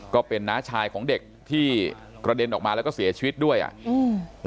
ก็เป็นน้าชายของเด็กที่กระเด็นออกมาแล้วก็เสียชีวิตด้วยอ่ะอืม